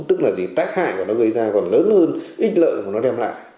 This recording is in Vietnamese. tức là gì tác hại của nó gây ra còn lớn hơn ít lợi mà nó đem lại